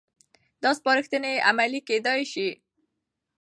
دا سپارښتنې عملي کېدای شي.